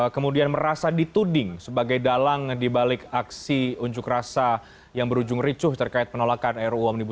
kemudian merasa dituding sebagai dalang dibalik aksi unjuk rasa yang berujung ricuh terkait penolakan ruu omnibus